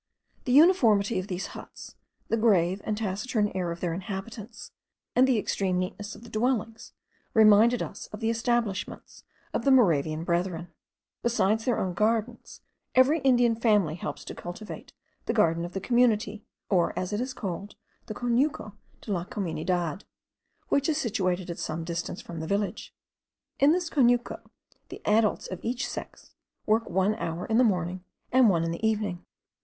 The uniformity of these huts, the grave and taciturn air of their inhabitants, and the extreme neatness of the dwellings, reminded us of the establishments of the Moravian Brethren. Besides their own gardens, every Indian family helps to cultivate the garden of the community, or, as it is called, the conuco de la comunidad, which is situated at some distance from the village. In this conuco the adults of each sex work one hour in the morning and one in the evening.